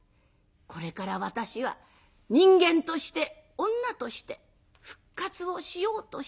これから私は人間として女として復活をしようとしております。